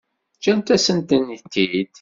Ǧǧant-asent-tent-id?